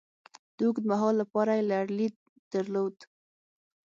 د اوږد مهال لپاره یې لرلید درلود.